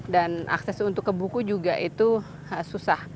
dan akses untuk ke buku juga itu susah